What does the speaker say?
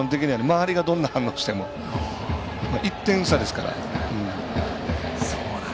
周りがどんな反応しても１点差ですから。